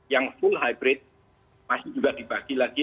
yang full hybrid masih juga dibagi lagi